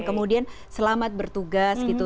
kemudian selamat bertugas gitu